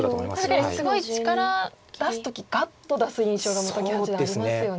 確かにすごい力出す時ガッと出す印象が本木八段ありますよね。